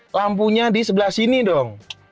lampunya di sebelah sini dong